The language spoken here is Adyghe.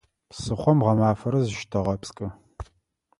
Псыхъом гъэмафэрэ зыщытэгъэпскӏы.